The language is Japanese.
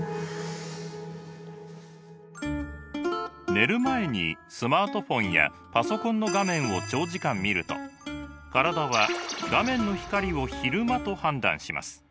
寝る前にスマートフォンやパソコンの画面を長時間見ると体は画面の光を昼間と判断します。